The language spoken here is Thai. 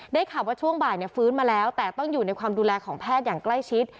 ข่าวว่าช่วงบ่ายฟื้นมาแล้วแต่ต้องอยู่ในความดูแลของแพทย์อย่างใกล้ชิด